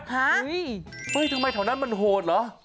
ฮะเฮ้ยทำไมเท่านั้นมันโหดเหรอ